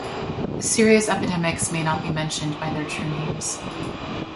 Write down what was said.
Serious epidemics may not be mentioned by their true names.